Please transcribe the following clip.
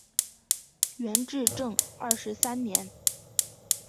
元至正二十三年。